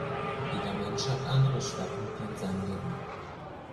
Jeder Mensch hat andere Schwerpunkte in seinem Leben.